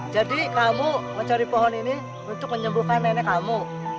jadi kamu mencari pohon ini untuk menyembuhkan nenek kamu